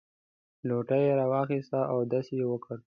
لوټه یې راواخیسته او اودس یې وکړ.